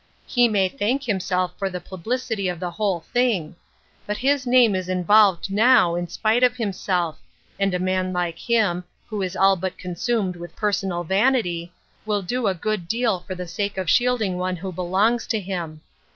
He may thank himself for the publicity of the whole thing. But his name is involved now, in spite of himself, and a man like him, who is all but consumed with personal vanity, will do a good deal for the sake of shielding one who belongs to him.